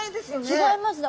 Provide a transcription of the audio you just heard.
違いますね。